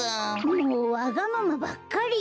もうわがままばっかり！